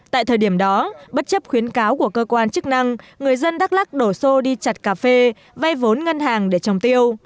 tại thời điểm đó bất chấp khuyến cáo của cơ quan chức năng người dân đắk lắc đổ xô đi chặt cà phê vay vốn ngân hàng để trồng tiêu